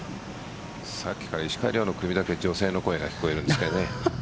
さっきから石川遼の組だけ女性の声が聞こえるんです。